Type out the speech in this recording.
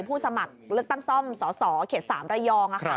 สมัครเลือกตั้งซ่อมสสเขต๓ระยอง